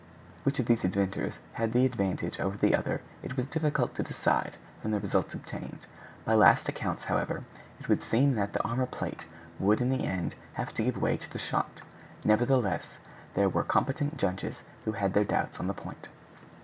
Which of these two inventors had the advantage over the other it was difficult to decide from the results obtained. By last accounts, however, it would seem that the armor plate would in the end have to give way to the shot; nevertheless, there were competent judges who had their doubts on the point.